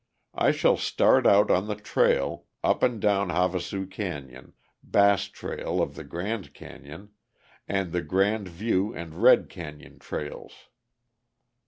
I started out on the trail, up and down Havasu Canyon, Bass Trail of the Grand Canyon, and the Grand View and Red Canyon trails.